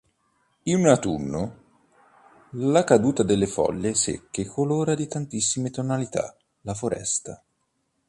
In autunno la caduta delle foglie secche colora di tantissime tonalità la foresta.